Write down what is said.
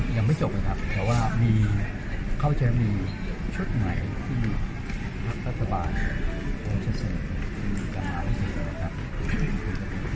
ก็ยังไม่จบเลยครับเพราะว่าเขาจะมีชุดใหม่ที่พักรัฐบาลก็จะเสร็จจะมาเสร็จเลยครับ